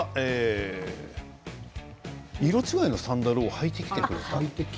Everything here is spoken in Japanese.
色違いのサンダルを履いて来てくれたと。